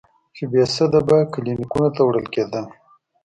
چې بېسده به کلينيکو ته وړل کېدل.